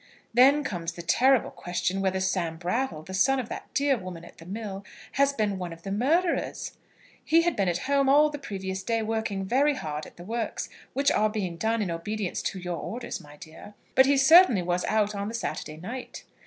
Then comes the terrible question whether Sam Brattle, the son of that dear woman at the mill, has been one of the murderers. He had been at home all the previous day working very hard at the works, which are being done in obedience to your orders, my dear; but he certainly was out on the Saturday night.